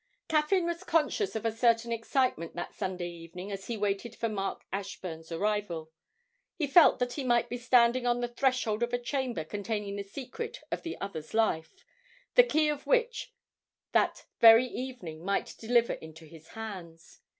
Caffyn was conscious of a certain excitement that Sunday evening as he waited for Mark Ashburn's arrival. He felt that he might be standing on the threshold of a chamber containing the secret of the other's life the key of which that very evening might deliver into his hands.